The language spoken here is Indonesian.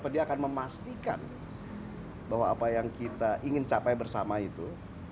dia akan memastikan bahwa apa yang kita ingin capai bersama itu